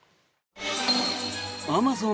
アマゾン